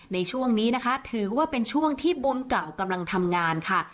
ในช่วงนี้นะคะถือว่าเป็นช่วงที่บุญเก่ากำลังทำงานค่ะ